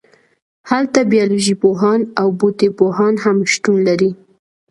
هلته بیالوژی پوهان او بوټي پوهان هم شتون لري